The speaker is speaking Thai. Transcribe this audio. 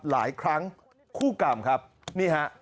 หลายครั้งคู่กรรมครับนี่ฮะ